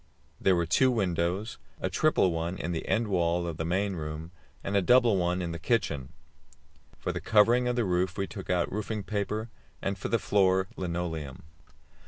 There were two windows a triple one in the end wall of the main room, and a double one in the kitchen. For the covering of the roof we took out roofing paper, and for the floor linoleum.